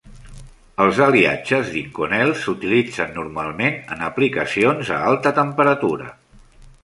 Els aliatges d'Inconel s'utilitzen normalment en aplicacions a alta temperatura.